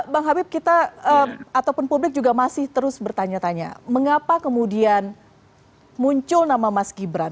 bang habib kita ataupun publik juga masih terus bertanya tanya mengapa kemudian muncul nama mas gibran